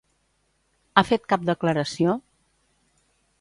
Ha fet cap declaració?